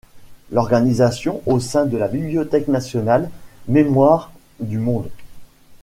L'organisation au sein de la Bibliothèque Nationale, mémoire du monde.